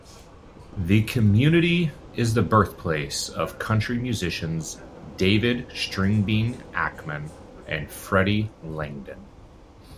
The community is the birthplace of country musicians David "Stringbean" Akeman and Freddie Langdon.